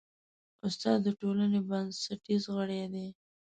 استاد د ټولنې بنسټیز غړی دی.